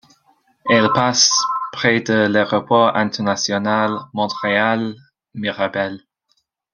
Elle passe près de l'Aéroport international Montréal-Mirabel.